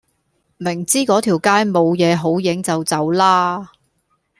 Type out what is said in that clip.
明知個條街冇野好影就走啦